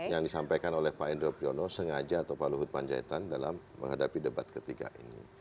yang disampaikan oleh pak endro priyono sengaja atau pak luhut panjaitan dalam menghadapi debat ketiga ini